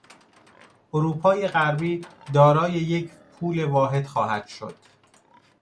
اروپای غربی دارای یک پول واحد خواهد شد.